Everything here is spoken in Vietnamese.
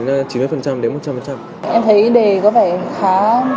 em thấy đề có vẻ khá